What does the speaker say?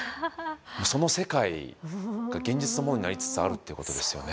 その世界が現実のものになりつつあるということですよね。